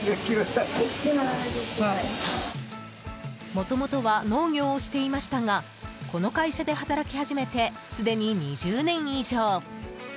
もともとは農業をしていましたがこの会社で働き始めてすでに２０年以上。